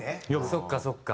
そっかそっか。